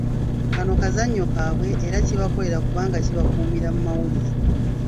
Kano kazannyo kaabwe era kibakolera kubanga kibakuumira mu mawulire.